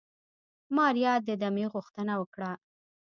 ماريا د دمې غوښتنه وکړه.